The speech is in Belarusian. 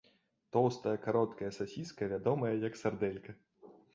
Тоўстая кароткая сасіска вядомая як сардэлька.